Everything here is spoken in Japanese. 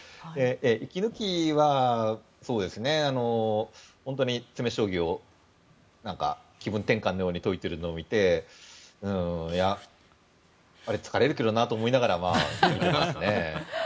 息抜きは本当に詰将棋を気分転換のように解いているのを見てあれ、疲れるけどなと思いますけどね。